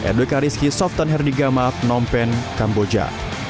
r d karisky soften herdiga maap phnom penh kamboja